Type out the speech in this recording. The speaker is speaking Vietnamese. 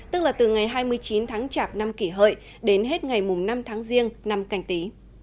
tức là từ ngày hai mươi chín tháng chạp năm kỷ hợi đến hết ngày năm tháng riêng năm canh tí